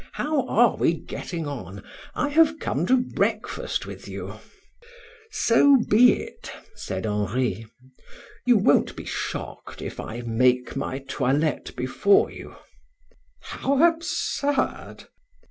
"How are we getting on? I have come to breakfast with you." "So be it," said Henri. "You won't be shocked if I make my toilette before you?" "How absurd!"